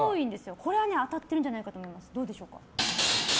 これは当たってるんじゃないかと思います。